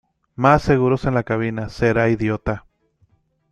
Más seguros en la cabina. Será idiota .